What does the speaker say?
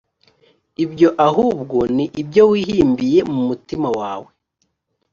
ibyo ahubwo ni ibyo wihimbiye mu mutima wawe